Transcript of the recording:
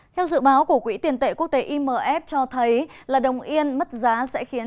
theo dự báo của quỹ tiền tệ quốc tế imf cho thấy là đồng yên mất giá sẽ khiến